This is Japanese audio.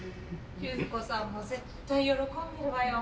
千鶴子さんも絶対喜んでるわよ。